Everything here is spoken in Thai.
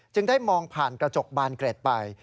ได้มองผ่านกระจกบานเกร็ดไป